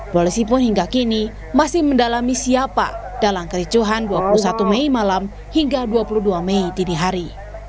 polisi pun hingga kini masih mendalami siapa dalam kericuhan dua puluh satu mei malam hingga dua puluh dua mei dini hari